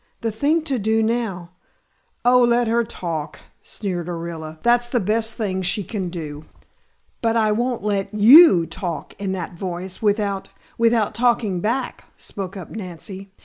"The thing to do now " "Oh, let her talk," sneered Orilla. "That's the best thing she can do " "But I won't let you talk in that voice without without talking back," spoke up Nancy.